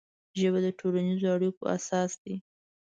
ژبه د ټولنیزو اړیکو اساس ده